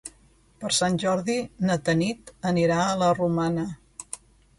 Per Sant Jordi na Tanit anirà a la Romana.